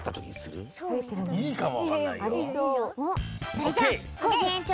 それじゃあコージ園長